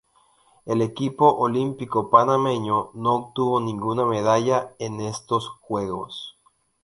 El equipo olímpico panameño no obtuvo ninguna medalla en estos Juegos.